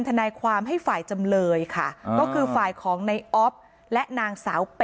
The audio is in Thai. ทนายความให้ฝ่ายจำเลยค่ะก็คือฝ่ายของในออฟและนางสาวเป็